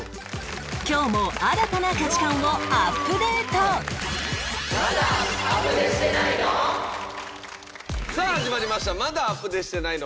今日も新たな価値観をアップデートさあ始まりました『まだアプデしてないの？』。